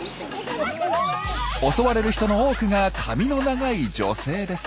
襲われる人の多くが髪の長い女性です。